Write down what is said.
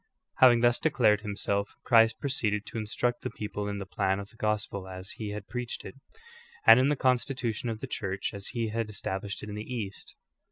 "^ 27. Having thus declared Himself, Christ proceeded to instruct the people in the plan of the gospel as He had preached it, and in the constitution of the Church as He had established it in the east.